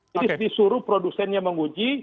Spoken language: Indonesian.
jadi disuruh produsennya menguji